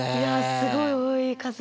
すごい多い数。